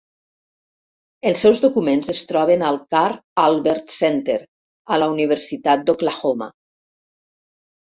Els seus documents es troben al Carl Albert Center a la Universitat d'Oklahoma.